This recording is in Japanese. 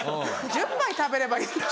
１０杯食べればいいんだ。